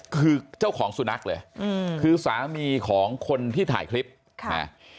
คือเจ้าของสุนัขเลยอืมคือสามีของคนที่ถ่ายคลิปค่ะนะ